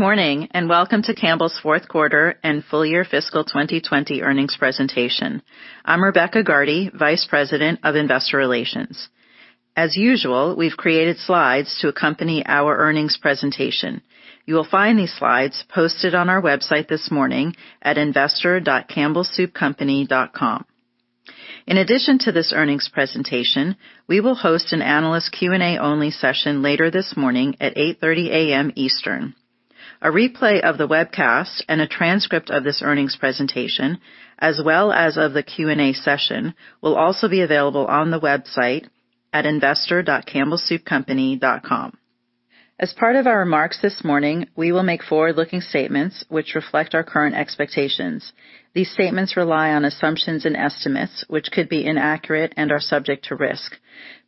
Good morning, and welcome to Campbell's Fourth Quarter and Full Year Fiscal 2020 Earnings Presentation. I'm Rebecca Gardy, Vice President of Investor Relations. As usual, we've created slides to accompany our earnings presentation. You will find these slides posted on our website this morning at investor.campbellsoupcompany.com. In addition to this earnings presentation, we will host an analyst Q&A only session later this morning at 8:30 A.M. Eastern. A replay of the webcast and a transcript of this earnings presentation, as well as of the Q&A session, will also be available on the website at investor.campbellsoupcompany.com. As part of our remarks this morning, we will make forward-looking statements which reflect our current expectations. These statements rely on assumptions and estimates, which could be inaccurate and are subject to risk.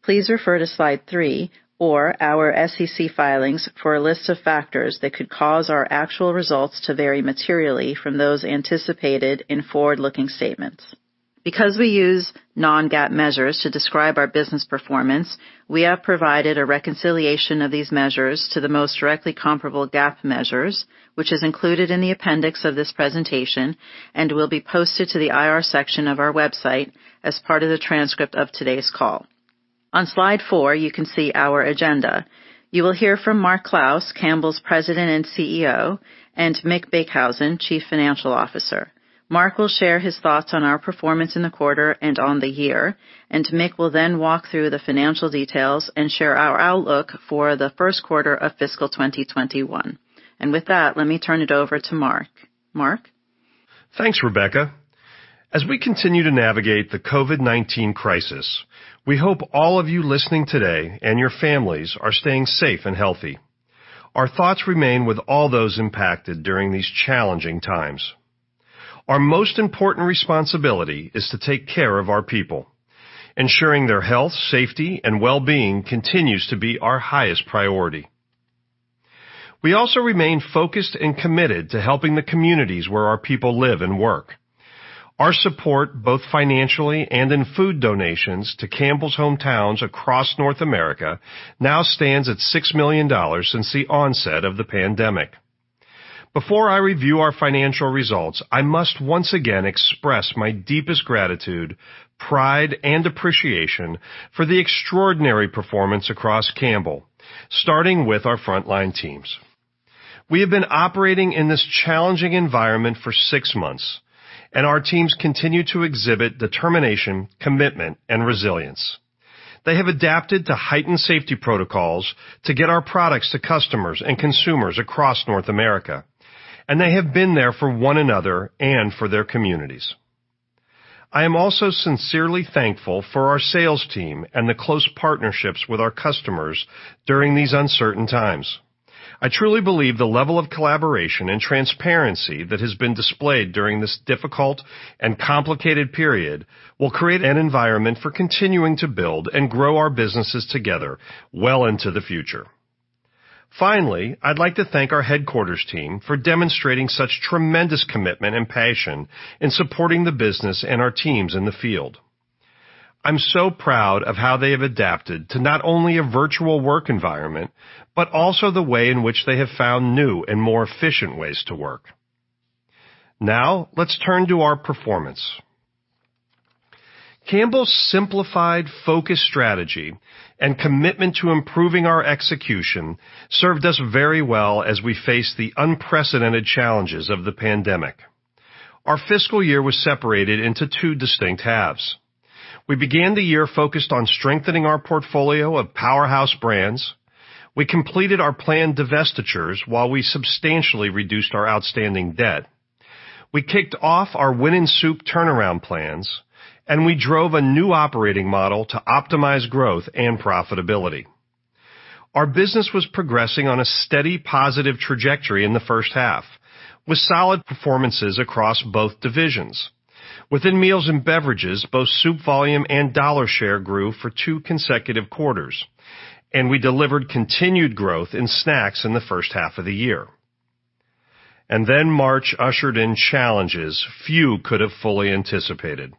Please refer to Slide three or our SEC filings for a list of factors that could cause our actual results to vary materially from those anticipated in forward-looking statements. Because we use non-GAAP measures to describe our business performance, we have provided a reconciliation of these measures to the most directly comparable GAAP measures, which is included in the appendix of this presentation and will be posted to the IR section of our website as part of the transcript of today's call. On Slide four, you can see our agenda. You will hear from Mark Clouse, Campbell's President and CEO, and Mick Beekhuizen, Chief Financial Officer. Mark will share his thoughts on our performance in the quarter and on the year, Mick will then walk through the financial details and share our outlook for the first quarter of fiscal 2021. With that, let me turn it over to Mark. Mark? Thanks, Rebecca. As we continue to navigate the COVID-19 crisis, we hope all of you listening today and your families are staying safe and healthy. Our thoughts remain with all those impacted during these challenging times. Our most important responsibility is to take care of our people. Ensuring their health, safety, and well-being continues to be our highest priority. We also remain focused and committed to helping the communities where our people live and work. Our support, both financially and in food donations to Campbell's hometowns across North America, now stands at $6 million since the onset of the pandemic. Before I review our financial results, I must once again express my deepest gratitude, pride, and appreciation for the extraordinary performance across Campbell, starting with our frontline teams. We have been operating in this challenging environment for six months, and our teams continue to exhibit determination, commitment, and resilience. They have adapted to heightened safety protocols to get our products to customers and consumers across North America, and they have been there for one another and for their communities. I am also sincerely thankful for our sales team and the close partnerships with our customers during these uncertain times. I truly believe the level of collaboration and transparency that has been displayed during this difficult and complicated period will create an environment for continuing to build and grow our businesses together well into the future. Finally, I'd like to thank our headquarters team for demonstrating such tremendous commitment and passion in supporting the business and our teams in the field. I'm so proud of how they have adapted to not only a virtual work environment, but also the way in which they have found new and more efficient ways to work. Let's turn to our performance. Campbell's simplified, focused strategy and commitment to improving our execution served us very well as we face the unprecedented challenges of the pandemic. Our fiscal year was separated into two distinct halves. We began the year focused on strengthening our portfolio of powerhouse brands. We completed our planned divestitures while we substantially reduced our outstanding debt. We kicked off our winning soup turnaround plans, and we drove a new operating model to optimize growth and profitability. Our business was progressing on a steady positive trajectory in the first half, with solid performances across both divisions. Within meals and beverages, both soup volume and dollar share grew for two consecutive quarters, and we delivered continued growth in snacks in the first half of the year. March ushered in challenges few could have fully anticipated.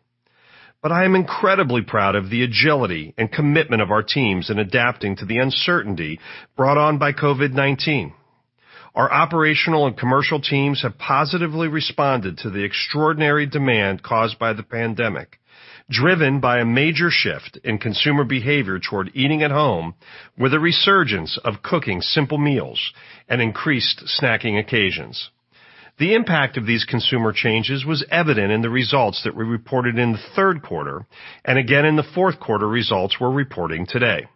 I am incredibly proud of the agility and commitment of our teams in adapting to the uncertainty brought on by COVID-19. Our operational and commercial teams have positively responded to the extraordinary demand caused by the pandemic, driven by a major shift in consumer behavior toward eating at home with a resurgence of cooking simple meals and increased snacking occasions. The impact of these consumer changes was evident in the results that we reported in the third quarter, and again in the fourth quarter results we're reporting today.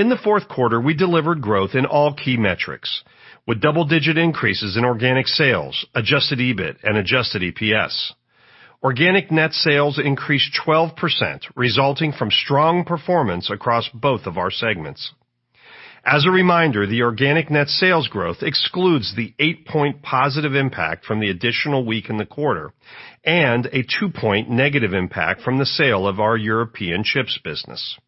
In the fourth quarter, we delivered growth in all key metrics, with double-digit increases in organic sales, adjusted EBIT, and adjusted EPS. Organic net sales increased 12%, resulting from strong performance across both of our segments. As a reminder, the organic net sales growth excludes the eight-point positive impact from the additional week in the quarter and a two-point negative impact from the sale of our European chips business.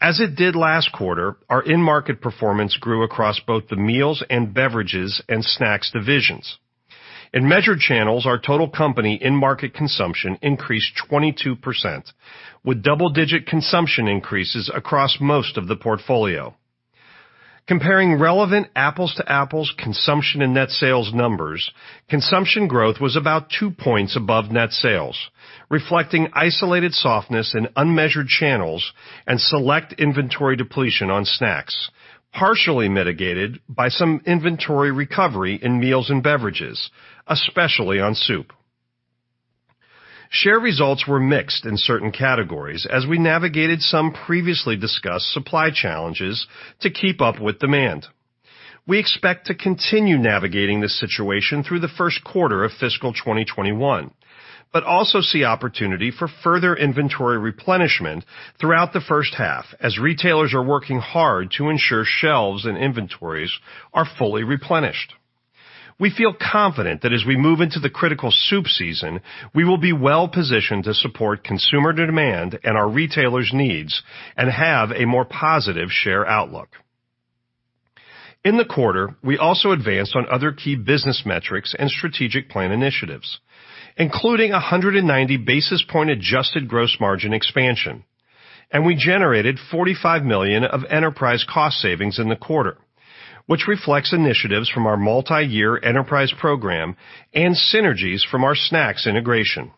As it did last quarter, our in-market performance grew across both the meals and beverages and snacks divisions. In measured channels, our total company in-market consumption increased 22%, with double-digit consumption increases across most of the portfolio. Comparing relevant apples to apples consumption and net sales numbers, consumption growth was about two points above net sales, reflecting isolated softness in unmeasured channels and select inventory depletion on snacks, partially mitigated by some inventory recovery in meals and beverages, especially on soup. Share results were mixed in certain categories as we navigated some previously discussed supply challenges to keep up with demand. We expect to continue navigating this situation through the first quarter of fiscal 2021, also see opportunity for further inventory replenishment throughout the first half, as retailers are working hard to ensure shelves and inventories are fully replenished. We feel confident that as we move into the critical soup season, we will be well-positioned to support consumer demand and our retailers' needs and have a more positive share outlook. In the quarter, we also advanced on other key business metrics and strategic plan initiatives, including 190 basis point adjusted gross margin expansion, and we generated $45 million of enterprise cost savings in the quarter, which reflects initiatives from our multi-year enterprise program and synergies from our snacks integration.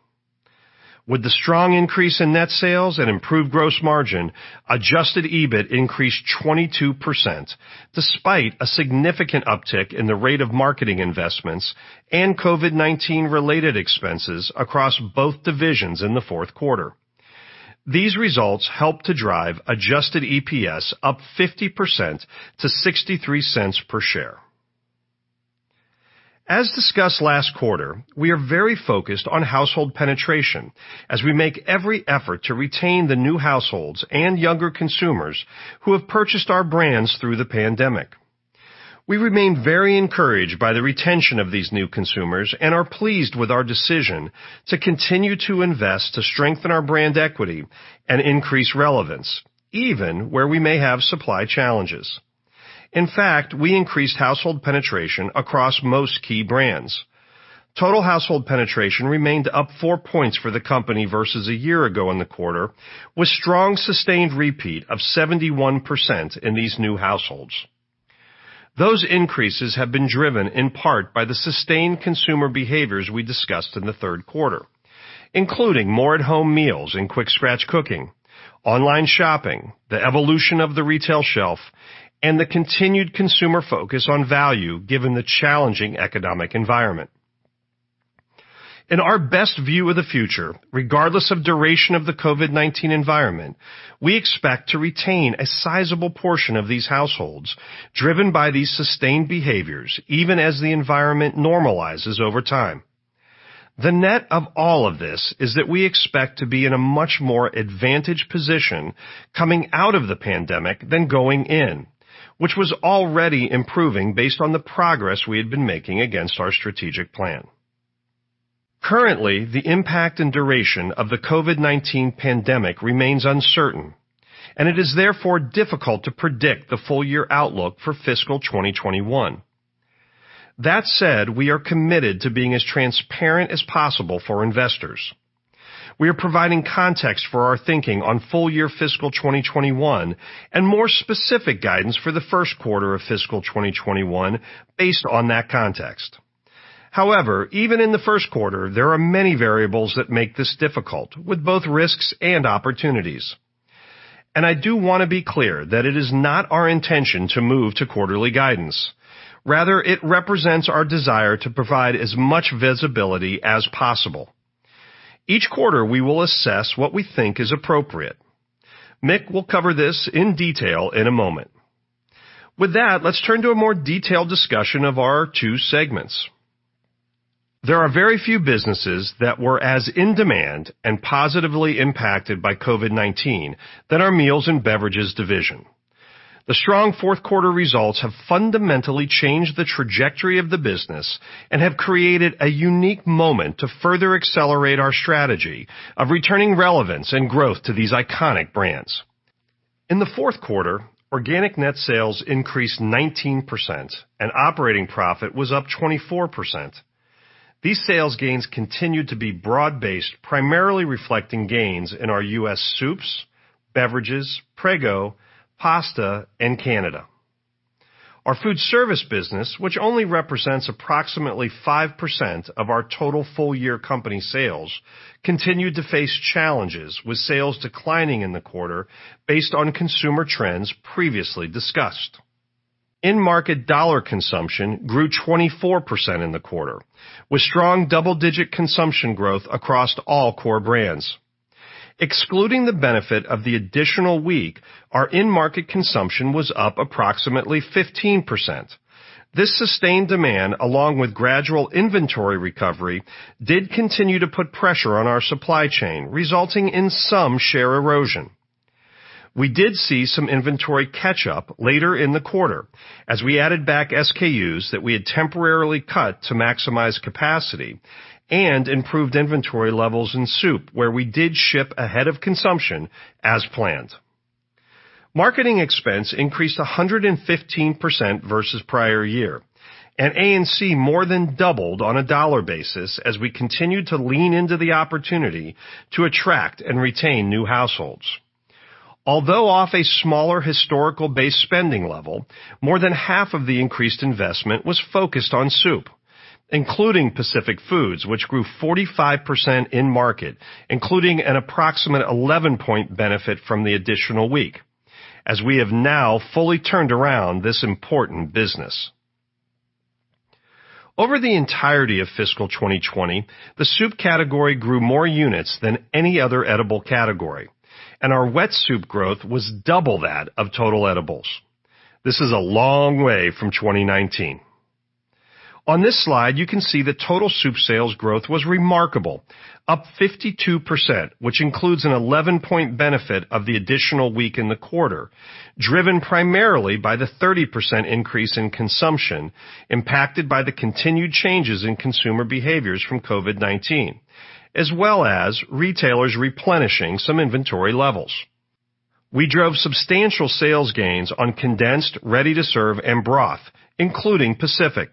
With the strong increase in net sales and improved gross margin, adjusted EBIT increased 22%, despite a significant uptick in the rate of marketing investments and COVID-19 related expenses across both divisions in the fourth quarter. These results helped to drive adjusted EPS up 50% to $0.63 per share. As discussed last quarter, we are very focused on household penetration as we make every effort to retain the new households and younger consumers who have purchased our brands through the pandemic. We remain very encouraged by the retention of these new consumers and are pleased with our decision to continue to invest to strengthen our brand equity and increase relevance, even where we may have supply challenges. In fact, we increased household penetration across most key brands. Total household penetration remained up four points for the company versus a year ago in the quarter, with strong sustained repeat of 71% in these new households. Those increases have been driven in part by the sustained consumer behaviors we discussed in the third quarter, including more at-home meals and quick scratch cooking, online shopping, the evolution of the retail shelf, and the continued consumer focus on value given the challenging economic environment. In our best view of the future, regardless of duration of the COVID-19 environment, we expect to retain a sizable portion of these households, driven by these sustained behaviors, even as the environment normalizes over time. The net of all of this is that we expect to be in a much more advantaged position coming out of the pandemic than going in, which was already improving based on the progress we had been making against our strategic plan. Currently, the impact and duration of the COVID-19 pandemic remains uncertain, and it is therefore difficult to predict the full-year outlook for fiscal 2021. That said, we are committed to being as transparent as possible for investors. We are providing context for our thinking on full-year fiscal 2021 and more specific guidance for the first quarter of fiscal 2021 based on that context. However, even in the first quarter, there are many variables that make this difficult with both risks and opportunities. I do want to be clear that it is not our intention to move to quarterly guidance. Rather, it represents our desire to provide as much visibility as possible. Each quarter, we will assess what we think is appropriate. Mick will cover this in detail in a moment. With that, let's turn to a more detailed discussion of our two segments. There are very few businesses that were as in demand and positively impacted by COVID-19 than our Meals and Beverages division. The strong fourth quarter results have fundamentally changed the trajectory of the business and have created a unique moment to further accelerate our strategy of returning relevance and growth to these iconic brands. In the fourth quarter, organic net sales increased 19% and operating profit was up 24%. These sales gains continued to be broad-based, primarily reflecting gains in our U.S. soups, beverages, Prego, pasta, and Canada. Our food service business, which only represents approximately 5% of our total full-year company sales, continued to face challenges with sales declining in the quarter based on consumer trends previously discussed. In-market dollar consumption grew 24% in the quarter, with strong double-digit consumption growth across all core brands. Excluding the benefit of the additional week, our in-market consumption was up approximately 15%. This sustained demand, along with gradual inventory recovery, did continue to put pressure on our supply chain, resulting in some share erosion. We did see some inventory catch up later in the quarter as we added back SKUs that we had temporarily cut to maximize capacity and improved inventory levels in soup, where we did ship ahead of consumption as planned. Marketing expense increased 115% versus prior year, and A&C more than doubled on a dollar basis as we continued to lean into the opportunity to attract and retain new households. Although off a smaller historical base spending level, more than half of the increased investment was focused on soup, including Pacific Foods, which grew 45% in market, including an approximate 11-point benefit from the additional week, as we have now fully turned around this important business. Over the entirety of fiscal 2020, the soup category grew more units than any other edible category, and our wet soup growth was double that of total edibles. This is a long way from 2019. On this slide, you can see that total soup sales growth was remarkable, up 52%, which includes an 11-point benefit of the additional week in the quarter, driven primarily by the 30% increase in consumption impacted by the continued changes in consumer behaviors from COVID-19, as well as retailers replenishing some inventory levels. We drove substantial sales gains on condensed, ready-to-serve, and broth, including Pacific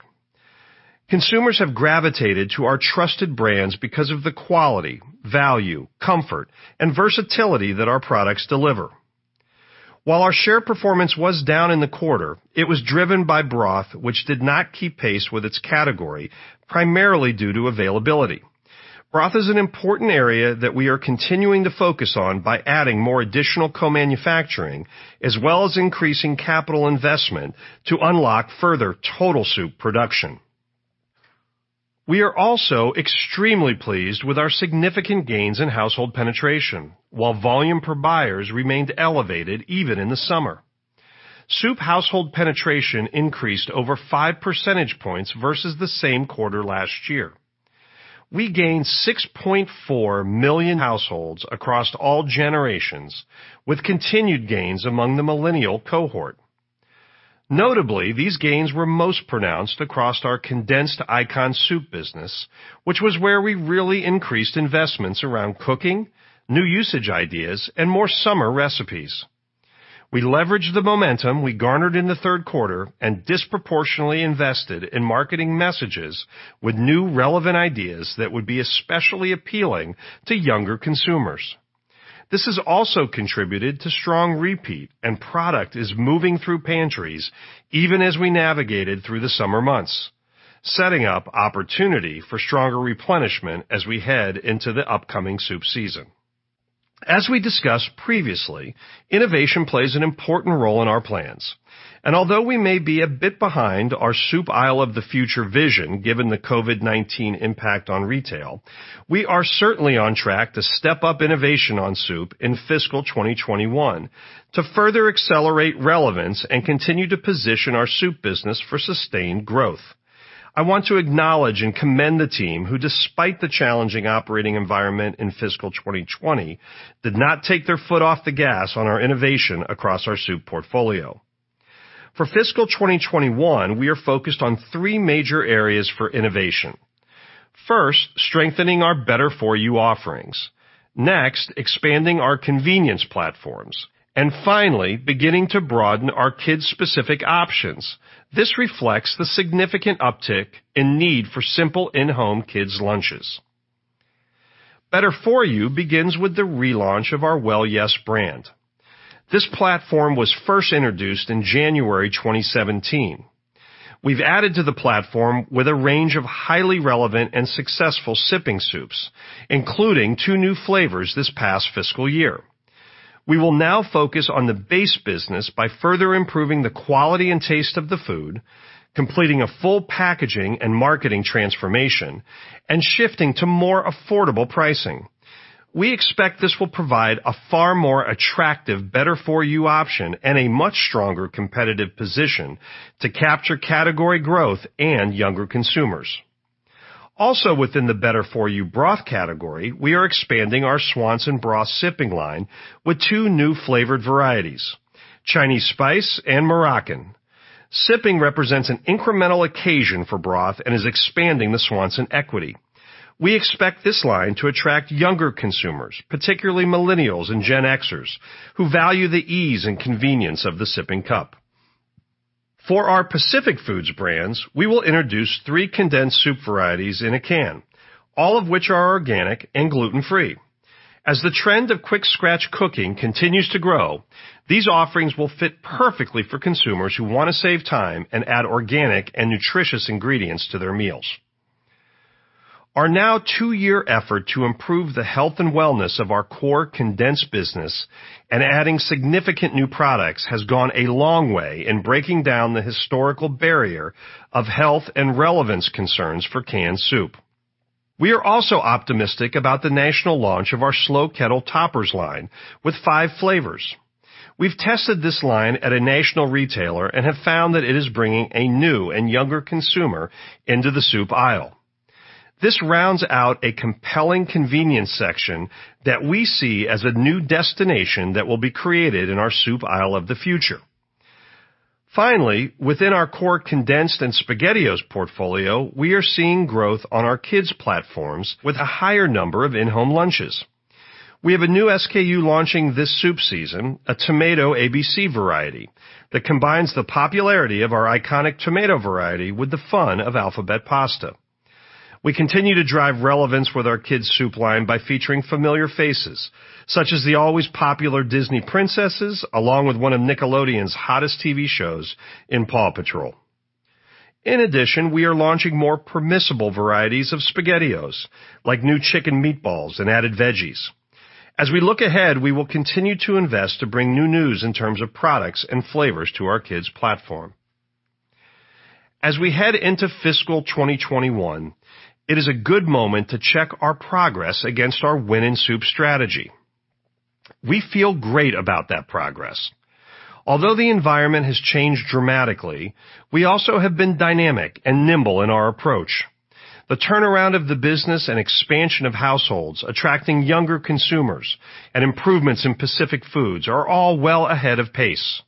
Foods. Consumers have gravitated to our trusted brands because of the quality, value, comfort, and versatility that our products deliver. While our share performance was down in the quarter, it was driven by broth, which did not keep pace with its category, primarily due to availability. Broth is an important area that we are continuing to focus on by adding more additional co-manufacturing as well as increasing capital investment to unlock further total soup production. We are also extremely pleased with our significant gains in household penetration, while volume per buyers remained elevated even in the summer. Soup household penetration increased over five percentage points versus the same quarter last year. We gained 6.4 million households across all generations with continued gains among the Millennial cohort. Notably, these gains were most pronounced across our condensed icon soup business, which was where we really increased investments around cooking, new usage ideas, and more summer recipes. We leveraged the momentum we garnered in the third quarter and disproportionately invested in marketing messages with new relevant ideas that would be especially appealing to younger consumers. This has also contributed to strong repeat, and product is moving through pantries even as we navigated through the summer months, setting up opportunity for stronger replenishment as we head into the upcoming soup season. As we discussed previously, innovation plays an important role in our plans, although we may be a bit behind our soup aisle of the future vision, given the COVID-19 impact on retail, we are certainly on track to step up innovation on soup in fiscal 2021 to further accelerate relevance and continue to position our soup business for sustained growth. I want to acknowledge and commend the team who, despite the challenging operating environment in fiscal 2020, did not take their foot off the gas on our innovation across our soup portfolio. For fiscal 2021, we are focused on three major areas for innovation. First, strengthening our better-for-you offerings. Next, expanding our convenience platforms. Finally, beginning to broaden our kids' specific options. This reflects the significant uptick in need for simple in-home kids' lunches. Better-for-you begins with the relaunch of our Well Yes! brand. This platform was first introduced in January 2017. We've added to the platform with a range of highly relevant and successful sipping soups, including two new flavors this past fiscal year. We will now focus on the base business by further improving the quality and taste of the food, completing a full packaging and marketing transformation, and shifting to more affordable pricing. We expect this will provide a far more attractive better-for-you option and a much stronger competitive position to capture category growth and younger consumers. Within the better-for-you broth category, we are expanding our Swanson broth sipping line with two new flavored varieties, Chinese Spice and Moroccan. Sipping represents an incremental occasion for broth and is expanding the Swanson equity. We expect this line to attract younger consumers, particularly millennials and Gen Xers, who value the ease and convenience of the sipping cup. For our Pacific Foods brands, we will introduce three condensed soup varieties in a can, all of which are organic and gluten-free. As the trend of quick scratch cooking continues to grow, these offerings will fit perfectly for consumers who want to save time and add organic and nutritious ingredients to their meals. Our now two-year effort to improve the health and wellness of our core condensed business and adding significant new products has gone a long way in breaking down the historical barrier of health and relevance concerns for canned soup. We are also optimistic about the national launch of our Slow Kettle Toppers line with five flavors. We've tested this line at a national retailer and have found that it is bringing a new and younger consumer into the soup aisle. This rounds out a compelling convenience section that we see as a new destination that will be created in our soup aisle of the future. Finally, within our core condensed and SpaghettiOs portfolio, we are seeing growth on our kids platforms with a higher number of in-home lunches. We have a new SKU launching this soup season, a Tomato A-Z's Soup, that combines the popularity of our iconic tomato variety with the fun of alphabet pasta. We continue to drive relevance with our kids' soup line by featuring familiar faces, such as the always popular Disney Princesses, along with one of Nickelodeon's hottest TV shows in "PAW Patrol." In addition, we are launching more permissible varieties of SpaghettiOs, like new chicken meatballs and added veggies. As we look ahead, we will continue to invest to bring new news in terms of products and flavors to our kids platform. As we head into fiscal 2021, it is a good moment to check our progress against our Win in Soup strategy. We feel great about that progress. Although the environment has changed dramatically, we also have been dynamic and nimble in our approach. The turnaround of the business and expansion of households attracting younger consumers and improvements in Pacific Foods are all well ahead of pace.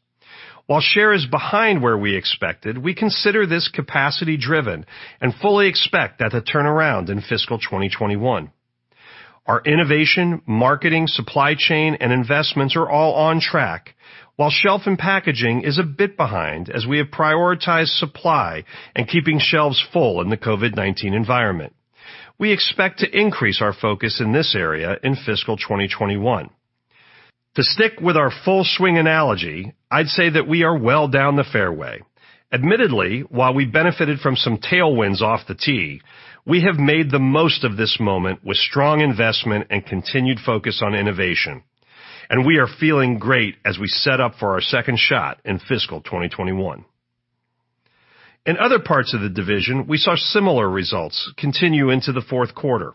While share is behind where we expected, we consider this capacity-driven and fully expect that to turn around in fiscal 2021. Our innovation, marketing, supply chain, and investments are all on track, while shelf and packaging is a bit behind as we have prioritized supply and keeping shelves full in the COVID-19 environment. We expect to increase our focus in this area in fiscal 2021. To stick with our full swing analogy, I'd say that we are well down the fairway. Admittedly, while we benefited from some tailwinds off the tee, we have made the most of this moment with strong investment and continued focus on innovation. We are feeling great as we set up for our second shot in fiscal 2021. In other parts of the division, we saw similar results continue into the fourth quarter.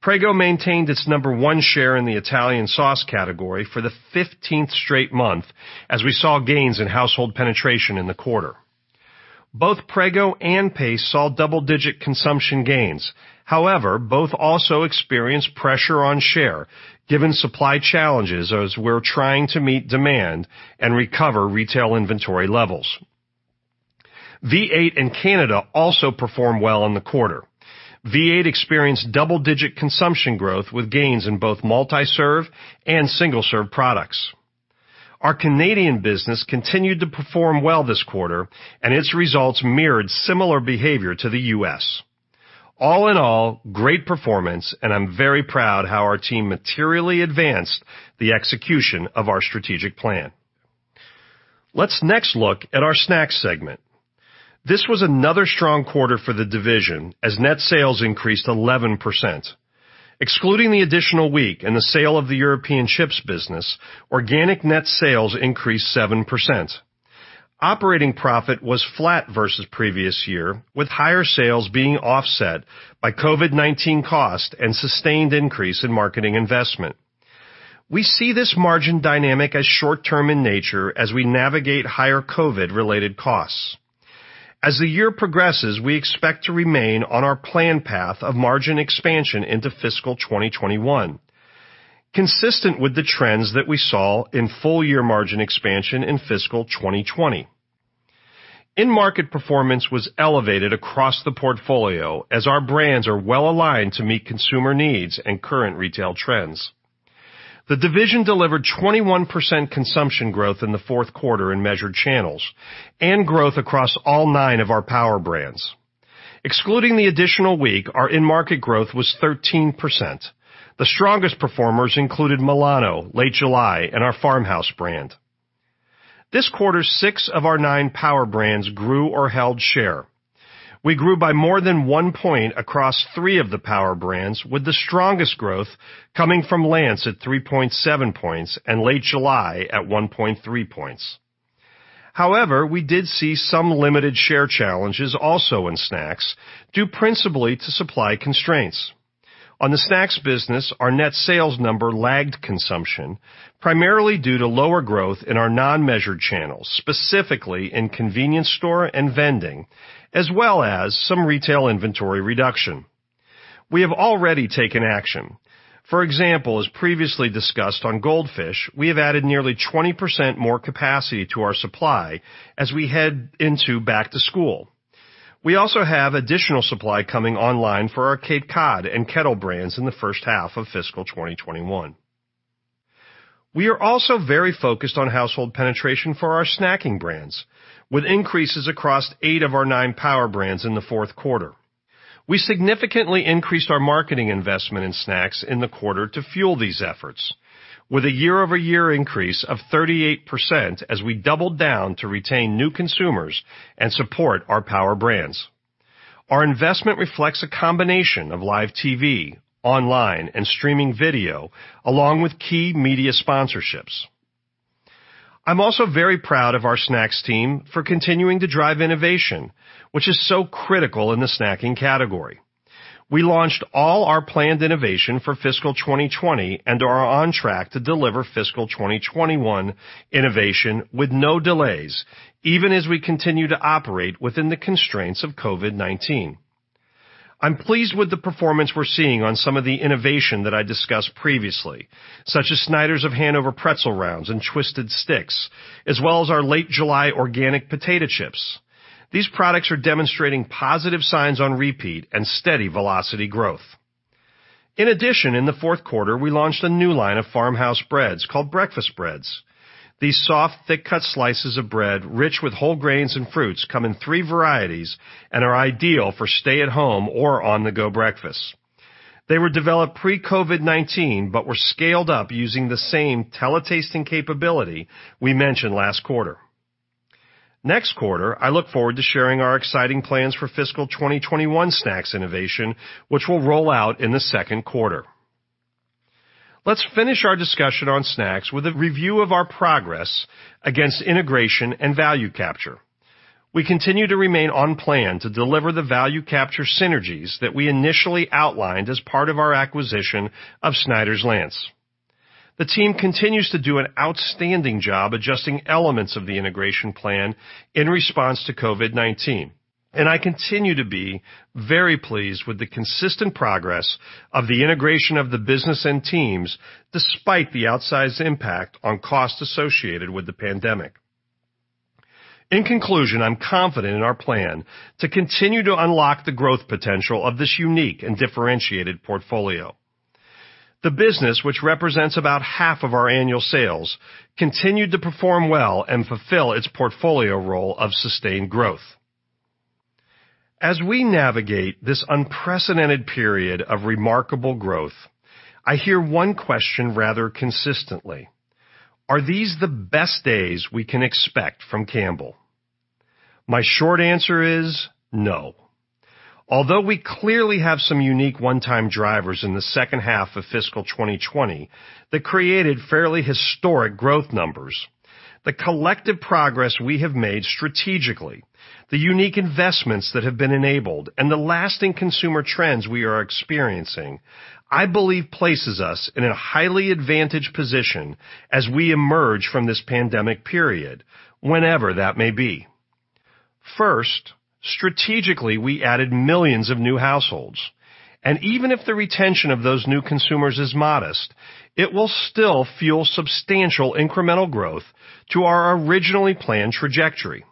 Prego maintained its number one share in the Italian sauce category for the 15th straight month, as we saw gains in household penetration in the quarter. Both Prego and Pace saw double-digit consumption gains. However, both also experienced pressure on share given supply challenges as we're trying to meet demand and recover retail inventory levels. V8 and Canada also performed well in the quarter. V8 experienced double-digit consumption growth with gains in both multi-serve and single-serve products. Our Canadian business continued to perform well this quarter. Its results mirrored similar behavior to the U.S. All in all, great performance. I'm very proud how our team materially advanced the execution of our strategic plan. Let's next look at our snacks segment. This was another strong quarter for the division as net sales increased 11%. Excluding the additional week and the sale of the European chips business, organic net sales increased 7%. Operating profit was flat versus previous year, with higher sales being offset by COVID-19 cost and sustained increase in marketing investment. We see this margin dynamic as short-term in nature as we navigate higher COVID-related costs. As the year progresses, we expect to remain on our plan path of margin expansion into fiscal 2021, consistent with the trends that we saw in full-year margin expansion in fiscal 2020. In-market performance was elevated across the portfolio as our brands are well-aligned to meet consumer needs and current retail trends. The division delivered 21% consumption growth in the fourth quarter in measured channels and growth across all nine of our power brands. Excluding the additional week, our in-market growth was 13%. The strongest performers included Milano, Late July, and our Farmhouse brand. This quarter, six of our nine power brands grew or held share. We grew by more than one point across three of the power brands, with the strongest growth coming from Lance at 3.7 points and Late July at 1.3 points. We did see some limited share challenges also in snacks, due principally to supply constraints. On the snacks business, our net sales number lagged consumption primarily due to lower growth in our non-measured channels, specifically in convenience store and vending, as well as some retail inventory reduction. We have already taken action. For example, as previously discussed on Goldfish, we have added nearly 20% more capacity to our supply as we head into back to school. We also have additional supply coming online for our Cape Cod and Kettle Brand in the first half of fiscal 2021. We are also very focused on household penetration for our snacking brands, with increases across eight of our nine power brands in the fourth quarter. We significantly increased our marketing investment in snacks in the quarter to fuel these efforts. With a year-over-year increase of 38% as we doubled down to retain new consumers and support our power brands. Our investment reflects a combination of live TV, online, and streaming video, along with key media sponsorships. I'm also very proud of our snacks team for continuing to drive innovation, which is so critical in the snacking category. We launched all our planned innovation for fiscal 2020 and are on track to deliver fiscal 2021 innovation with no delays, even as we continue to operate within the constraints of COVID-19. I'm pleased with the performance we're seeing on some of the innovation that I discussed previously, such as Snyder's of Hanover Pretzel Rounds and Twisted Sticks, as well as our Late July organic potato chips. These products are demonstrating positive signs on repeat and steady velocity growth. In addition, in the fourth quarter, we launched a new line of Farmhouse breads called Breakfast Breads. These soft, thick-cut slices of bread, rich with whole grains and fruits, come in three varieties and are ideal for stay-at-home or on-the-go breakfasts. They were developed pre-COVID-19 but were scaled up using the same tele-tasting capability we mentioned last quarter. Next quarter, I look forward to sharing our exciting plans for fiscal 2021 snacks innovation, which will roll out in the second quarter. Let's finish our discussion on snacks with a review of our progress against integration and value capture. We continue to remain on plan to deliver the value capture synergies that we initially outlined as part of our acquisition of Snyder's-Lance. The team continues to do an outstanding job adjusting elements of the integration plan in response to COVID-19, and I continue to be very pleased with the consistent progress of the integration of the business and teams, despite the outsized impact on cost associated with the pandemic. In conclusion, I'm confident in our plan to continue to unlock the growth potential of this unique and differentiated portfolio. The business, which represents about half of our annual sales, continued to perform well and fulfill its portfolio role of sustained growth. As we navigate this unprecedented period of remarkable growth, I hear one question rather consistently: "Are these the best days we can expect from Campbell?" My short answer is no. We clearly have some unique one-time drivers in the second half of fiscal 2020 that created fairly historic growth numbers, the collective progress we have made strategically, the unique investments that have been enabled, and the lasting consumer trends we are experiencing, I believe places us in a highly advantaged position as we emerge from this pandemic period, whenever that may be. Strategically, we added millions of new households, and even if the retention of those new consumers is modest, it will still fuel substantial incremental growth to our originally planned trajectory.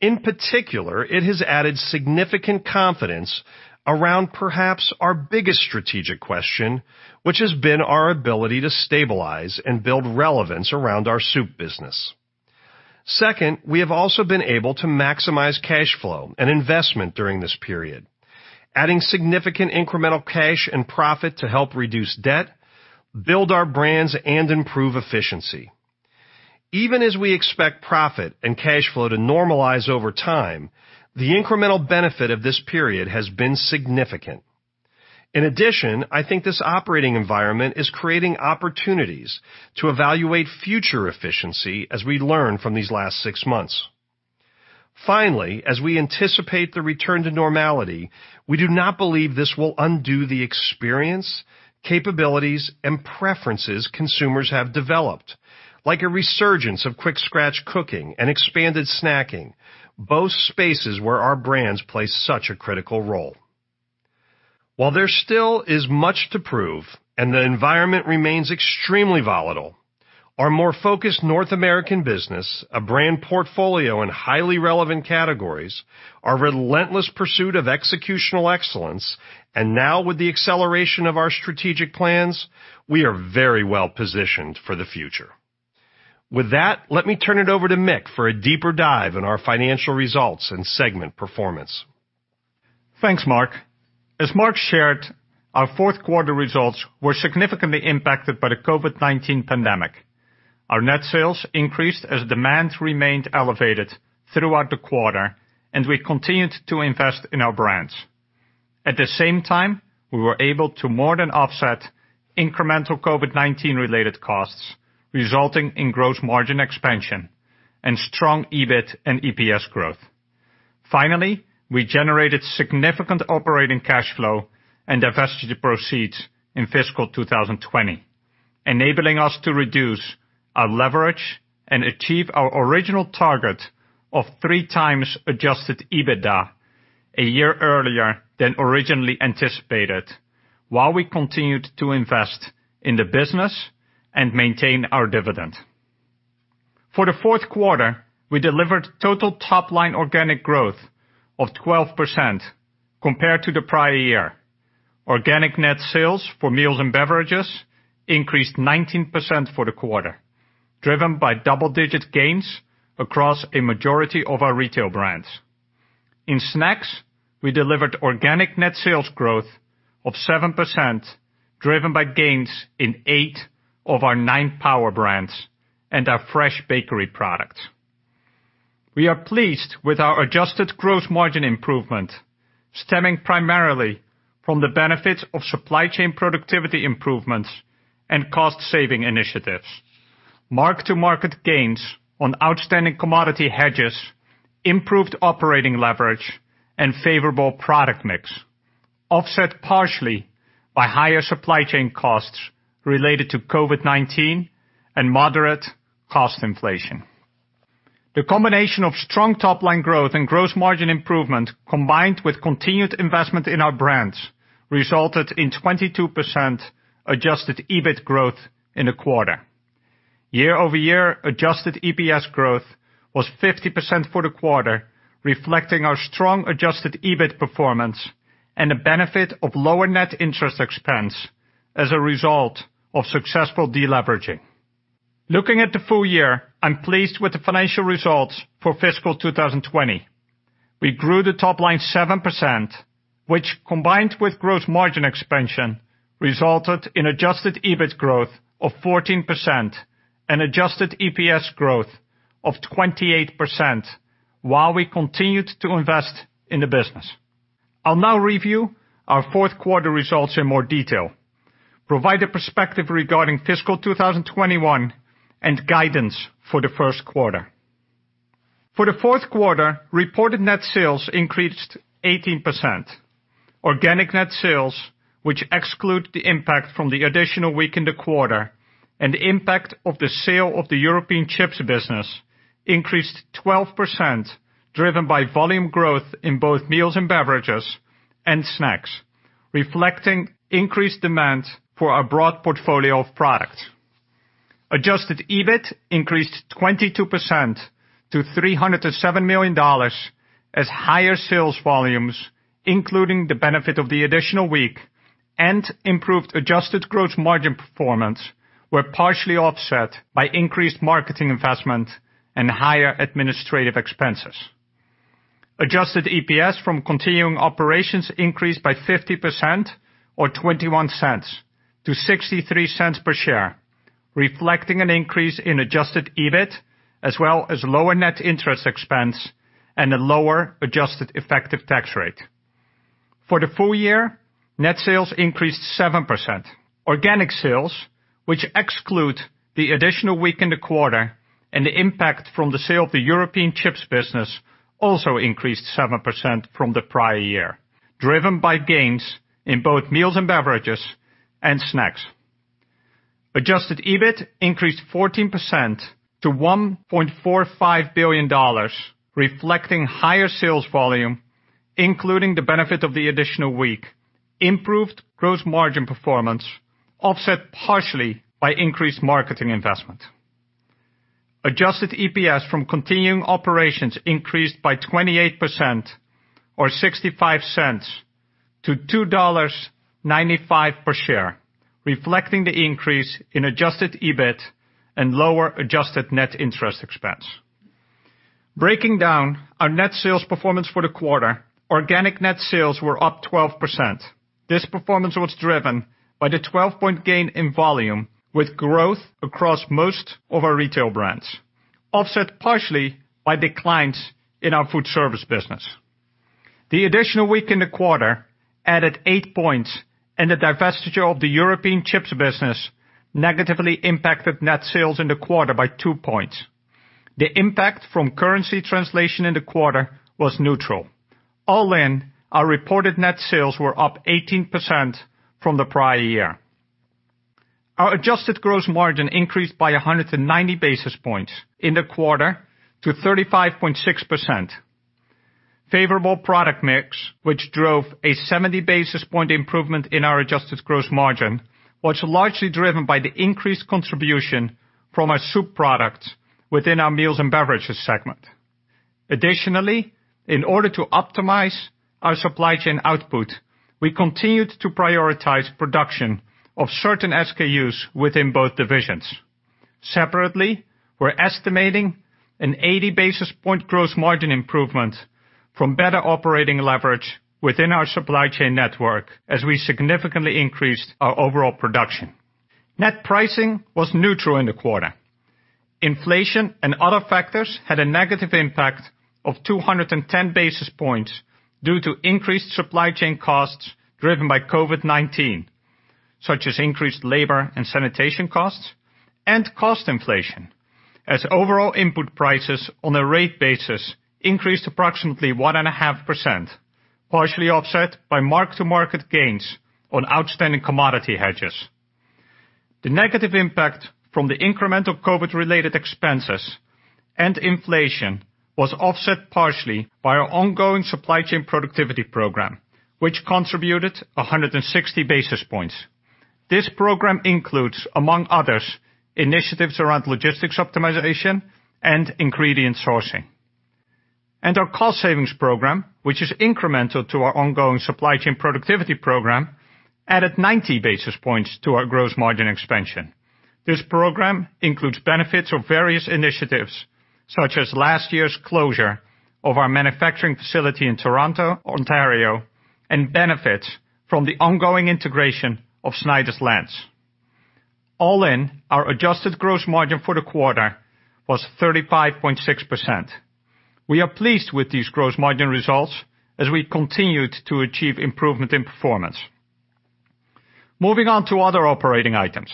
It has added significant confidence around perhaps our biggest strategic question, which has been our ability to stabilize and build relevance around our soup business. Second, we have also been able to maximize cash flow and investment during this period, adding significant incremental cash and profit to help reduce debt, build our brands, and improve efficiency. Even as we expect profit and cash flow to normalize over time, the incremental benefit of this period has been significant. In addition, I think this operating environment is creating opportunities to evaluate future efficiency as we learn from these last six months. Finally, as we anticipate the return to normality, we do not believe this will undo the experience, capabilities, and preferences consumers have developed, like a resurgence of quick scratch cooking and expanded snacking, both spaces where our brands play such a critical role. While there still is much to prove and the environment remains extremely volatile, our more focused North American business, a brand portfolio in highly relevant categories, our relentless pursuit of executional excellence, and now with the acceleration of our strategic plans, we are very well positioned for the future. With that, let me turn it over to Mick for a deeper dive on our financial results and segment performance. Thanks, Mark. As Mark shared, our fourth quarter results were significantly impacted by the COVID-19 pandemic. Our net sales increased as demand remained elevated throughout the quarter. We continued to invest in our brands. At the same time, we were able to more than offset incremental COVID-19 related costs, resulting in gross margin expansion and strong EBIT and EPS growth. Finally, we generated significant operating cash flow and divestiture proceeds in fiscal 2020, enabling us to reduce our leverage and achieve our original target of three times adjusted EBITDA a year earlier than originally anticipated while we continued to invest in the business and maintain our dividend. For the fourth quarter, we delivered total top-line organic growth of 12% compared to the prior year. Organic net sales for meals and beverages increased 19% for the quarter, driven by double-digit gains across a majority of our retail brands. In snacks, we delivered organic net sales growth of 7%, driven by gains in eight of our nine power brands and our fresh bakery products. We are pleased with our adjusted gross margin improvement, stemming primarily from the benefits of supply chain productivity improvements and cost-saving initiatives. Mark-to-market gains on outstanding commodity hedges, improved operating leverage, and favorable product mix, offset partially by higher supply chain costs related to COVID-19 and moderate cost inflation. The combination of strong top-line growth and gross margin improvement, combined with continued investment in our brands, resulted in 22% adjusted EBIT growth in the quarter. Year-over-year, adjusted EPS growth was 50% for the quarter, reflecting our strong adjusted EBIT performance and the benefit of lower net interest expense as a result of successful deleveraging. Looking at the full year, I'm pleased with the financial results for fiscal 2020. We grew the top line 7%, which, combined with gross margin expansion, resulted in adjusted EBIT growth of 14% and adjusted EPS growth of 28%, while we continued to invest in the business. I'll now review our fourth quarter results in more detail, provide a perspective regarding fiscal 2021, and guidance for the first quarter. For the fourth quarter, reported net sales increased 18%. Organic net sales, which exclude the impact from the additional week in the quarter and the impact of the sale of the European chips business, increased 12%, driven by volume growth in both meals and beverages and snacks, reflecting increased demand for our broad portfolio of products. Adjusted EBIT increased 22% to $307 million as higher sales volumes, including the benefit of the additional week and improved adjusted gross margin performance, were partially offset by increased marketing investment and higher administrative expenses. Adjusted EPS from continuing operations increased by 50%, or $0.21-$0.63 per share, reflecting an increase in adjusted EBIT, as well as lower net interest expense and a lower adjusted effective tax rate. For the full year, net sales increased 7%. Organic sales, which exclude the additional week in the quarter and the impact from the sale of the European chips business, also increased 7% from the prior year, driven by gains in both meals and beverages and snacks. Adjusted EBIT increased 14% to $1.45 billion, reflecting higher sales volume, including the benefit of the additional week, improved gross margin performance, offset partially by increased marketing investment. Adjusted EPS from continuing operations increased by 28%, or $0.65-$2.95 per share, reflecting the increase in adjusted EBIT and lower adjusted net interest expense. Breaking down our net sales performance for the quarter, organic net sales were up 12%. This performance was driven by the 12-point gain in volume, with growth across most of our retail brands, offset partially by declines in our food service business. The additional week in the quarter added eight points, and the divestiture of the European chips business negatively impacted net sales in the quarter by two points. The impact from currency translation in the quarter was neutral. All in, our reported net sales were up 18% from the prior year. Our adjusted gross margin increased by 190 basis points in the quarter to 35.6%. Favorable product mix, which drove a 70 basis point improvement in our adjusted gross margin, was largely driven by the increased contribution from our soup products within our meals and beverages segment. Additionally, in order to optimize our supply chain output, we continued to prioritize production of certain SKUs within both divisions. Separately, we're estimating an 80 basis point gross margin improvement from better operating leverage within our supply chain network as we significantly increased our overall production. Net pricing was neutral in the quarter. Inflation and other factors had a negative impact of 210 basis points due to increased supply chain costs driven by COVID-19, such as increased labor and sanitation costs and cost inflation as overall input prices on a rate basis increased approximately 1.5%, partially offset by mark-to-market gains on outstanding commodity hedges. The negative impact from the incremental COVID-related expenses and inflation was offset partially by our ongoing supply chain productivity program, which contributed 160 basis points. This program includes, among others, initiatives around logistics optimization and ingredient sourcing. Our cost savings program, which is incremental to our ongoing supply chain productivity program, added 90 basis points to our gross margin expansion. This program includes benefits of various initiatives, such as last year's closure of our manufacturing facility in Toronto, Ontario, and benefits from the ongoing integration of Snyder's-Lance. All in, our adjusted gross margin for the quarter was 35.6%. We are pleased with these gross margin results as we continued to achieve improvement in performance. Moving on to other operating items.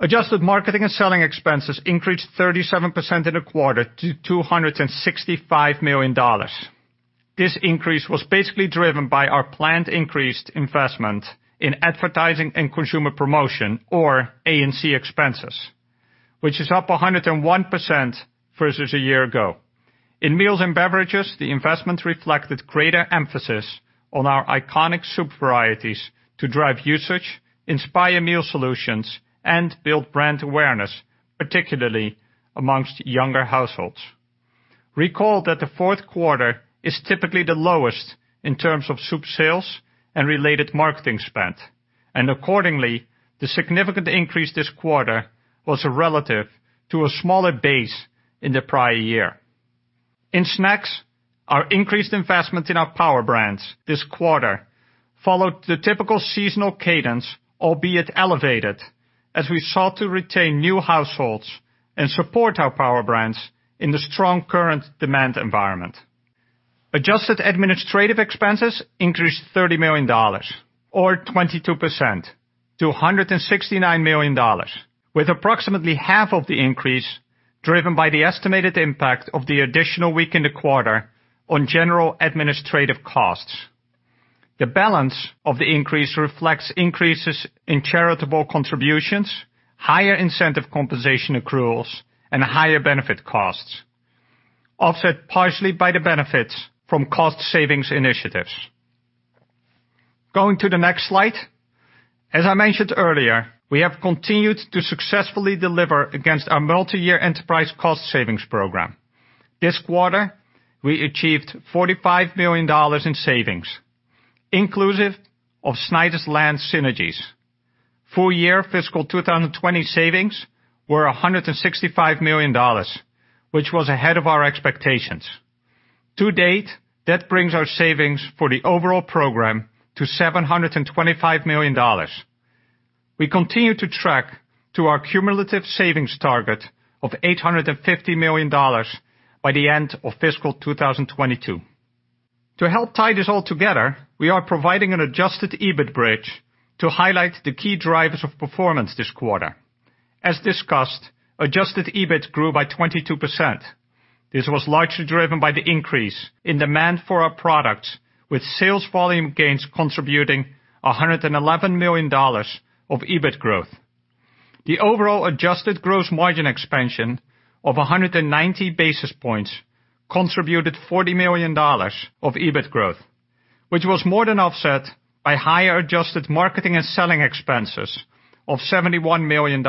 Adjusted marketing and selling expenses increased 37% in the quarter to $265 million. This increase was basically driven by our planned increased investment in advertising and consumer promotion, or A&C expenses, which is up 101% versus a year ago. In meals and beverages, the investment reflected greater emphasis on our iconic soup varieties to drive usage, inspire meal solutions, and build brand awareness, particularly amongst younger households. Recall that the fourth quarter is typically the lowest in terms of soup sales and related marketing spend. Accordingly, the significant increase this quarter was relative to a smaller base in the prior year. In snacks, our increased investment in our power brands this quarter followed the typical seasonal cadence, albeit elevated, as we sought to retain new households and support our power brands in the strong current demand environment. Adjusted administrative expenses increased $30 million, or 22%, to $169 million, with approximately half of the increase driven by the estimated impact of the additional week in the quarter on general administrative costs. The balance of the increase reflects increases in charitable contributions, higher incentive compensation accruals, and higher benefit costs, offset partially by the benefits from cost savings initiatives. Going to the next slide. As I mentioned earlier, we have continued to successfully deliver against our multi-year enterprise cost savings program. This quarter, we achieved $45 million in savings, inclusive of Snyder's-Lance synergies. Full year fiscal 2020 savings were $165 million, which was ahead of our expectations. To date, that brings our savings for the overall program to $725 million. We continue to track to our cumulative savings target of $850 million by the end of fiscal 2022. To help tie this all together, we are providing an adjusted EBIT bridge to highlight the key drivers of performance this quarter. As discussed, adjusted EBIT grew by 22%. This was largely driven by the increase in demand for our products, with sales volume gains contributing $111 million of EBIT growth. The overall adjusted gross margin expansion of 190 basis points contributed $40 million of EBIT growth, which was more than offset by higher adjusted marketing and selling expenses of $71 million,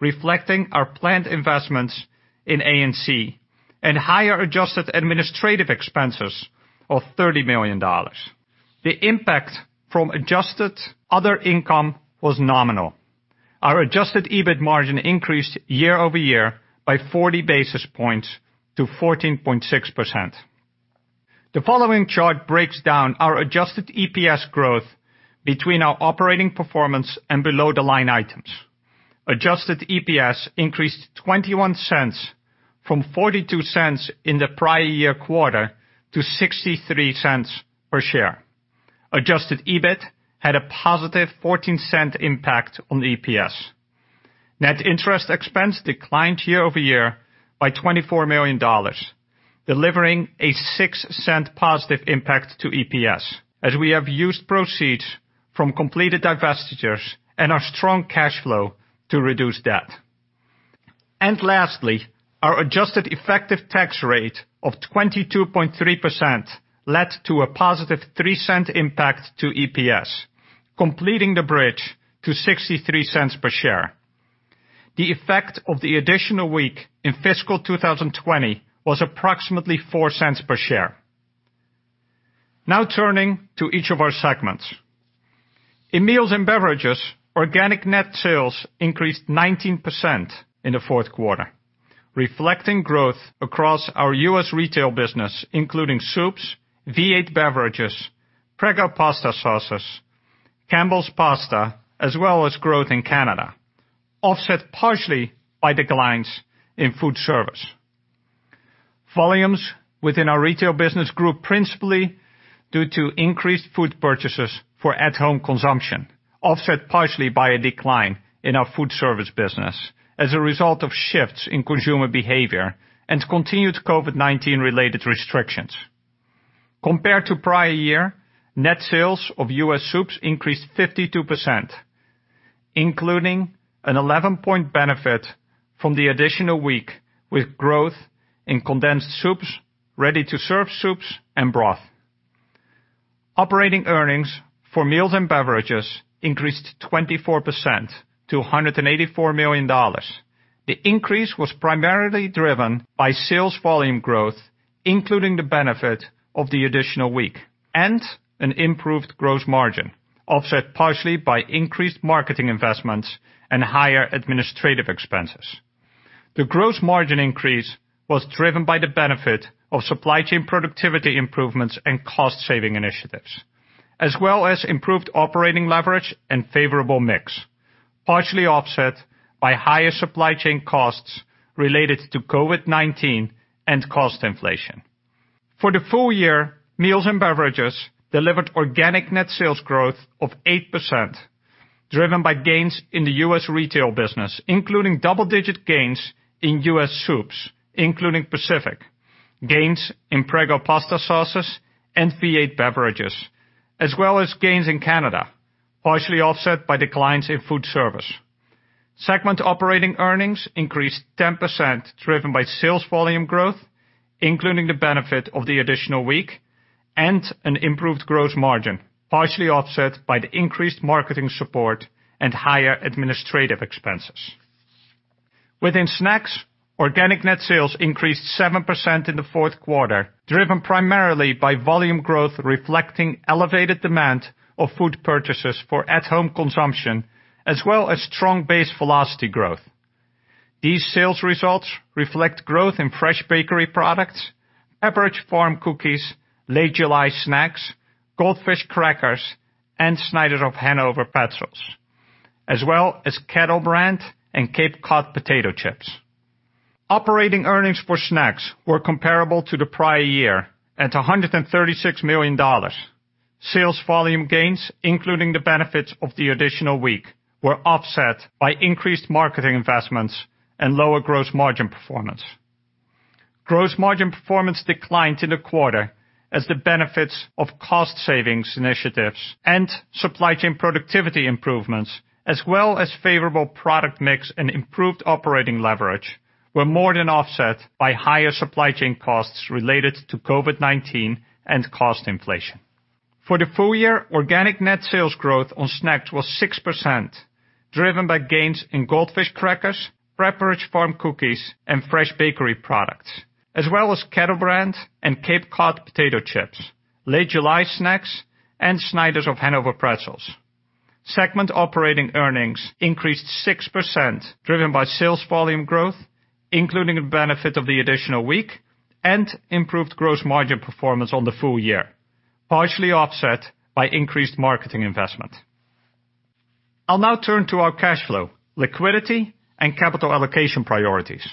reflecting our planned investments in A&C, and higher adjusted administrative expenses of $30 million. The impact from adjusted other income was nominal. Our adjusted EBIT margin increased year-over-year by 40 basis points to 14.6%. The following chart breaks down our adjusted EPS growth between our operating performance and below the line items. Adjusted EPS increased $0.21 from $0.42 in the prior year quarter to $0.63 per share. Adjusted EBIT had a positive $0.14 impact on the EPS. Net interest expense declined year-over-year by $24 million, delivering a $0.06 positive impact to EPS, as we have used proceeds from completed divestitures and our strong cash flow to reduce debt. Lastly, our adjusted effective tax rate of 22.3% led to a positive $0.03 impact to EPS, completing the bridge to $0.63 per share. The effect of the additional week in fiscal 2020 was approximately $0.04 per share. Turning to each of our segments. In meals and beverages, organic net sales increased 19% in the fourth quarter, reflecting growth across our U.S. retail business, including soups, V8 beverages, Prego pasta sauces, Campbell's pasta, as well as growth in Canada, offset partially by declines in food service. Volumes within our retail business grew principally due to increased food purchases for at-home consumption, offset partially by a decline in our food service business as a result of shifts in consumer behavior and continued COVID-19 related restrictions. Compared to prior year, net sales of U.S. soups increased 52%, including an 11-point benefit from the additional week with growth in condensed soups, ready-to-serve soups, and broth. Operating earnings for meals and beverages increased 24% to $184 million. The increase was primarily driven by sales volume growth, including the benefit of the additional week and an improved gross margin, offset partially by increased marketing investments and higher administrative expenses. The gross margin increase was driven by the benefit of supply chain productivity improvements and cost-saving initiatives, as well as improved operating leverage and favorable mix, partially offset by higher supply chain costs related to COVID-19 and cost inflation. For the full year, meals and beverages delivered organic net sales growth of 8%, driven by gains in the U.S. retail business, including double-digit gains in U.S. soups, including Pacific Foods, gains in Prego pasta sauces and V8 beverages, as well as gains in Canada. Partially offset by declines in food service. Segment operating earnings increased 10%, driven by sales volume growth, including the benefit of the additional week, and an improved gross margin, partially offset by the increased marketing support and higher administrative expenses. Within snacks, organic net sales increased 7% in the fourth quarter, driven primarily by volume growth reflecting elevated demand of food purchases for at-home consumption, as well as strong base velocity growth. These sales results reflect growth in fresh bakery products, Pepperidge Farm cookies, Late July snacks, Goldfish crackers, and Snyder's of Hanover pretzels, as well as Kettle Brand and Cape Cod potato chips. Operating earnings for snacks were comparable to the prior year at $136 million. Sales volume gains, including the benefits of the additional week, were offset by increased marketing investments and lower gross margin performance. Gross margin performance declined in the quarter as the benefits of cost savings initiatives and supply chain productivity improvements, as well as favorable product mix and improved operating leverage, were more than offset by higher supply chain costs related to COVID-19 and cost inflation. For the full year, organic net sales growth on snacks was 6%, driven by gains in Goldfish crackers, Pepperidge Farm cookies, and fresh bakery products, as well as Kettle Brand and Cape Cod potato chips, Late July snacks, and Snyder's of Hanover pretzels. Segment operating earnings increased 6%, driven by sales volume growth, including the benefit of the additional week, and improved gross margin performance on the full year, partially offset by increased marketing investment. I'll now turn to our cash flow, liquidity, and capital allocation priorities.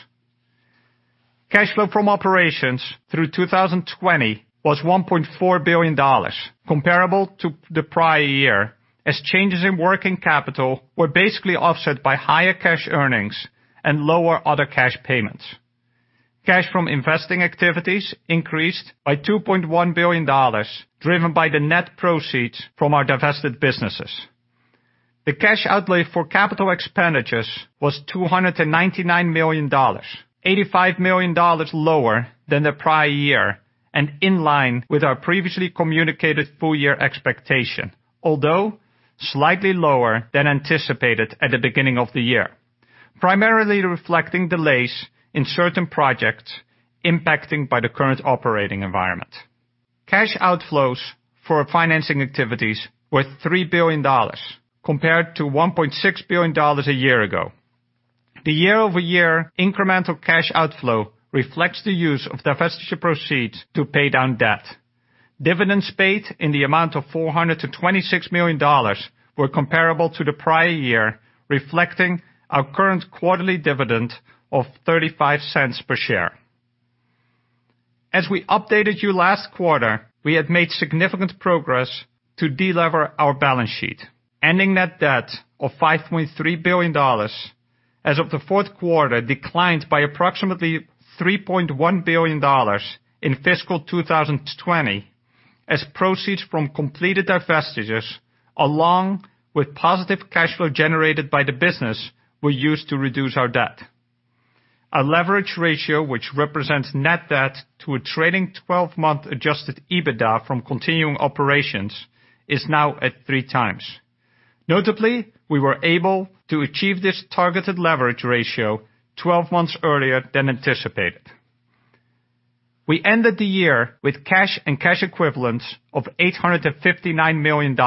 Cash flow from operations through 2020 was $1.4 billion, comparable to the prior year, as changes in working capital were basically offset by higher cash earnings and lower other cash payments. Cash from investing activities increased by $2.1 billion, driven by the net proceeds from our divested businesses. The cash outlay for capital expenditures was $299 million, $85 million lower than the prior year, and in line with our previously communicated full-year expectation, although slightly lower than anticipated at the beginning of the year, primarily reflecting delays in certain projects impacted by the current operating environment. Cash outflows for financing activities were $3 billion compared to $1.6 billion a year ago. The year-over-year incremental cash outflow reflects the use of divestiture proceeds to pay down debt. Dividends paid in the amount of $426 million were comparable to the prior year, reflecting our current quarterly dividend of $0.35 per share. As we updated you last quarter, we had made significant progress to de-lever our balance sheet. Ending net debt of $5.3 billion as of the fourth quarter declined by approximately $3.1 billion in fiscal 2020, as proceeds from completed divestitures, along with positive cash flow generated by the business, were used to reduce our debt. Our leverage ratio, which represents net debt to a trailing 12-month adjusted EBITDA from continuing operations, is now at 3x. Notably, we were able to achieve this targeted leverage ratio 12 months earlier than anticipated. We ended the year with cash and cash equivalents of $859 million,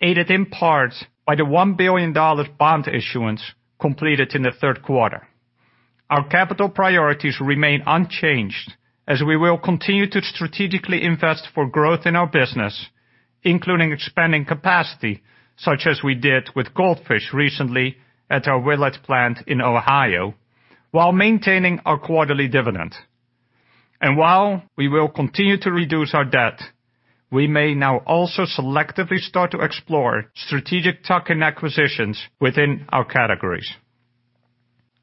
aided in part by the $1 billion bond issuance completed in the third quarter. Our capital priorities remain unchanged as we will continue to strategically invest for growth in our business, including expanding capacity, such as we did with Goldfish recently at our Willard plant in Ohio, while maintaining our quarterly dividend. While we will continue to reduce our debt, we may now also selectively start to explore strategic tuck-in acquisitions within our categories.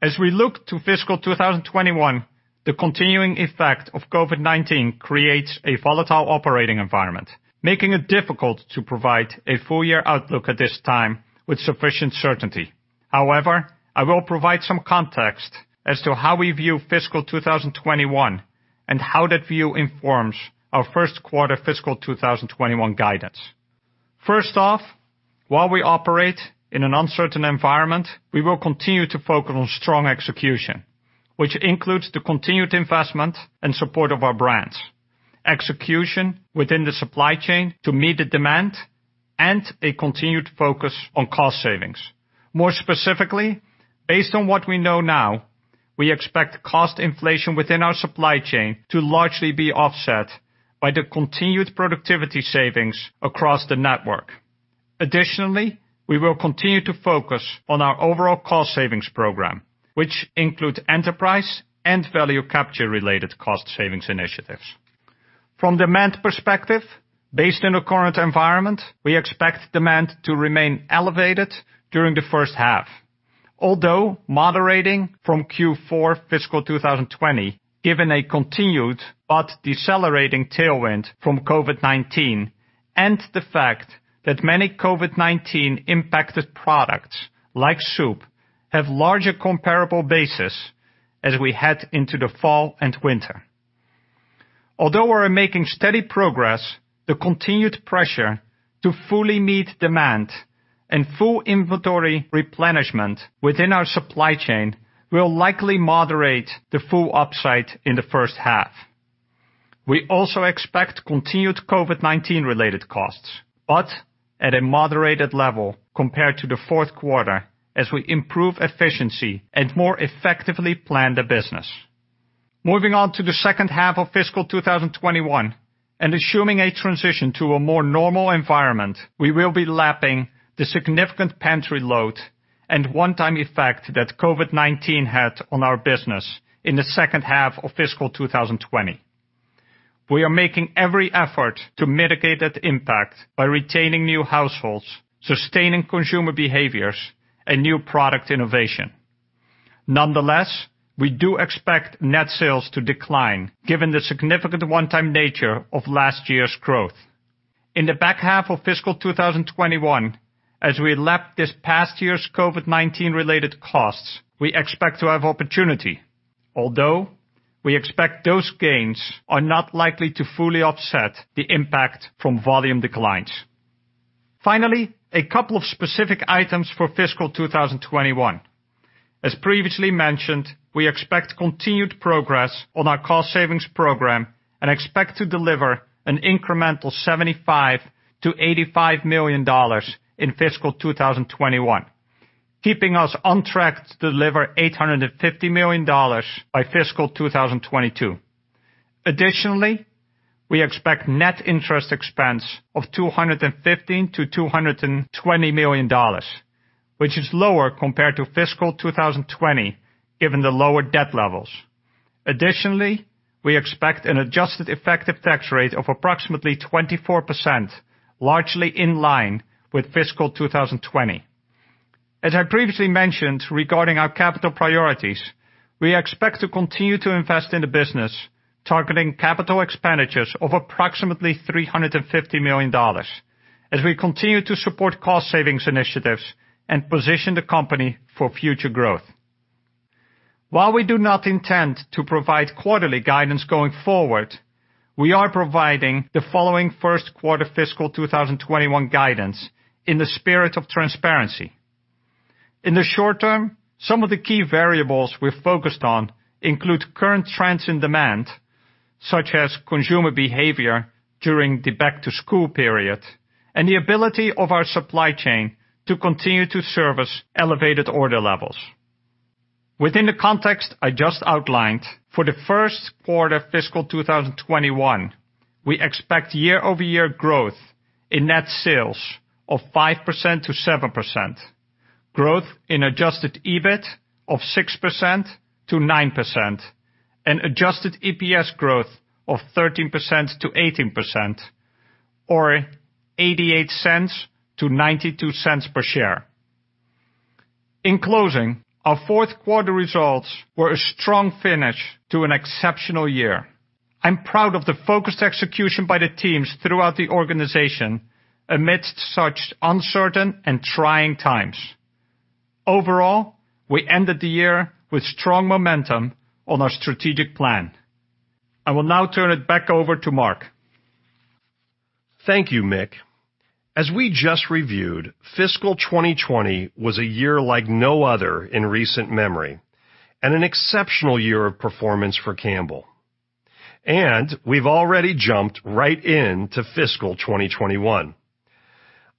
As we look to fiscal 2021, the continuing effect of COVID-19 creates a volatile operating environment, making it difficult to provide a full-year outlook at this time with sufficient certainty. However, I will provide some context as to how we view fiscal 2021 and how that view informs our first quarter fiscal 2021 guidance. First off, while we operate in an uncertain environment, we will continue to focus on strong execution, which includes the continued investment and support of our brands, execution within the supply chain to meet the demand, and a continued focus on cost savings. More specifically, based on what we know now, we expect cost inflation within our supply chain to largely be offset by the continued productivity savings across the network. Additionally, we will continue to focus on our overall cost savings program, which includes enterprise and value capture-related cost savings initiatives. From a demand perspective, based on the current environment, we expect demand to remain elevated during the first half, although moderating from Q4 fiscal 2020, given a continued but decelerating tailwind from COVID-19, and the fact that many COVID-19 impacted products like soup have larger comparable bases as we head into the fall and winter. Although we're making steady progress, the continued pressure to fully meet demand and full inventory replenishment within our supply chain will likely moderate the full upside in the first half. We also expect continued COVID-19 related costs, but at a moderated level compared to the fourth quarter, as we improve efficiency and more effectively plan the business. Moving on to the second half of fiscal 2021, and assuming a transition to a more normal environment, we will be lapping the significant pantry load and one-time effect that COVID-19 had on our business in the second half of fiscal 2020. We are making every effort to mitigate that impact by retaining new households, sustaining consumer behaviors, and new product innovation. Nonetheless, we do expect net sales to decline given the significant one-time nature of last year's growth. In the back half of fiscal 2021, as we lap this past year's COVID-19 related costs, we expect to have opportunity. We expect those gains are not likely to fully offset the impact from volume declines. A couple of specific items for fiscal 2021. As previously mentioned, we expect continued progress on our cost savings program and expect to deliver an incremental $75 million-$85 million in fiscal 2021, keeping us on track to deliver $850 million by fiscal 2022. We expect net interest expense of $215 million-$220 million, which is lower compared to fiscal 2020, given the lower debt levels. We expect an adjusted effective tax rate of approximately 24%, largely in line with fiscal 2020. As I previously mentioned regarding our capital priorities, we expect to continue to invest in the business, targeting capital expenditures of approximately $350 million, as we continue to support cost savings initiatives and position the company for future growth. While we do not intend to provide quarterly guidance going forward, we are providing the following first quarter fiscal 2021 guidance in the spirit of transparency. In the short term, some of the key variables we're focused on include current trends in demand, such as consumer behavior during the back-to-school period, and the ability of our supply chain to continue to service elevated order levels. Within the context I just outlined, for the first quarter fiscal 2021, we expect year-over-year growth in net sales of 5%-7%, growth in adjusted EBIT of 6%-9%, and adjusted EPS growth of 13%-18%, or $0.88-$0.92 per share. In closing, our fourth quarter results were a strong finish to an exceptional year. I'm proud of the focused execution by the teams throughout the organization amidst such uncertain and trying times. Overall, we ended the year with strong momentum on our strategic plan. I will now turn it back over to Mark. Thank you, Mick. As we just reviewed, fiscal 2020 was a year like no other in recent memory, and an exceptional year of performance for Campbell. We've already jumped right into fiscal 2021.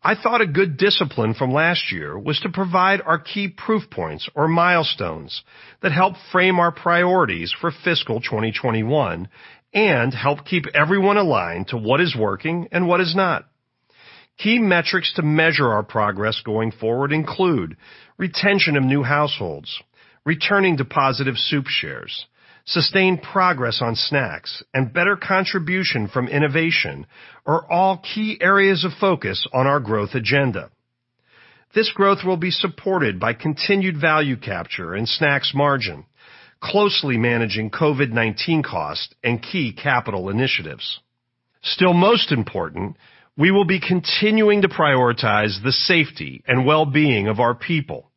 I thought a good discipline from last year was to provide our key proof points or milestones that help frame our priorities for fiscal 2021 and help keep everyone aligned to what is working and what is not. Key metrics to measure our progress going forward include retention of new households, returning to positive soup shares, sustained progress on snacks, and better contribution from innovation are all key areas of focus on our growth agenda. This growth will be supported by continued value capture and snacks margin, closely managing COVID-19 costs and key capital initiatives. Still most important, we will be continuing to prioritize the safety and well-being of our people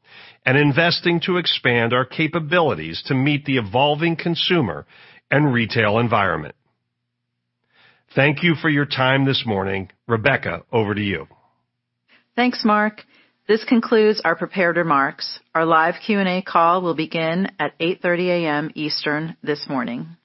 and investing to expand our capabilities to meet the evolving consumer and retail environment. Thank you for your time this morning. Rebecca, over to you. Thanks, Mark. This concludes our prepared remarks. Our live Q&A call will begin at 8:30 A.M. Eastern this morning.